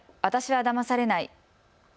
私はだまされない。